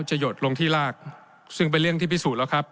หยดลงที่รากซึ่งเป็นเรื่องที่พิสูจน์แล้วครับ